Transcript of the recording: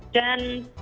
dan tetap sobat